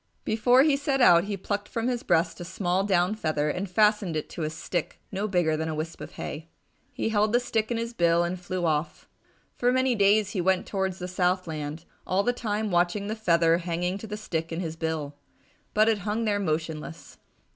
Before he set out, he plucked from his breast a small down feather and fastened it to a stick no bigger than a wisp of hay. He held the stick in his bill and flew off. For many days he went towards the south land, all the time watching the feather hanging to the stick in his bill. But it hung there motionless.